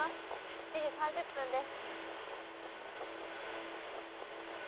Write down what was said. ７時３０分です。